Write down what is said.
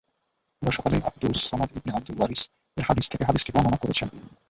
এরা সকলেই আবদুস সামাদ ইবন আবদুল ওয়ারিছ-এর হাদীস থেকে হাদীসটি বর্ণনা করেছেন।